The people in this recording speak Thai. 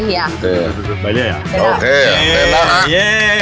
เฮียไปเรื่อยอะโอเคเต็มแล้วฮะเย้